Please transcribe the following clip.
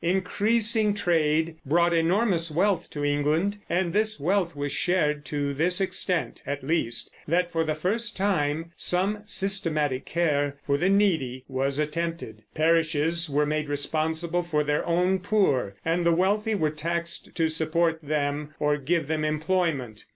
Increasing trade brought enormous wealth to England, and this wealth was shared to this extent, at least, that for the first time some systematic care for the needy was attempted. Parishes were made responsible for their own poor, and the wealthy were taxed to support them or give them employment.